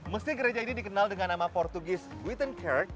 mesti gereja ini dikenal dengan nama portugis guitenkert